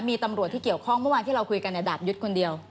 มีตำรวจที่เกี่ยวข้องเมื่อวานที่เราคุยกันในดาบยุทธ์คนเดียว